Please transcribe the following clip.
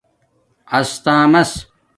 استݳمس